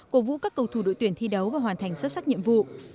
cổ vũ các cầu thủ đội tuyển thi đấu và hoàn thành xuất sắc nhiệm vụ